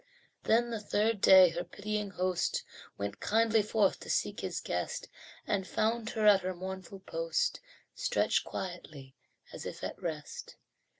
Then the third day her pitying host Went kindly forth to seek his guest, And found her at her mournful post, Stretched quietly as if at rest.